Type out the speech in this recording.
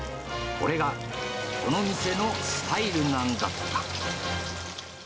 これがこの店のスタイルなんだとか。